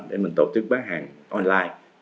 để mình tổ chức bán hàng online